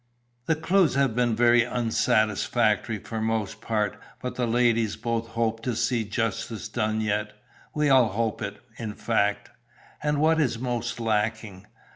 "The clues have been very unsatisfactory for the most part. But the ladies both hope to see justice done yet. We all hope it, in fact." "And what is most lacking?"